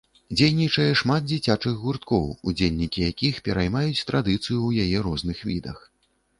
Дзейнічае шмат дзіцячых гурткоў, удзельнікі якіх пераймаюць традыцыю ў яе розных відах.